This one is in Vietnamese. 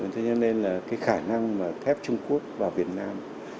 thế nên khả năng thép trung quốc vào việt nam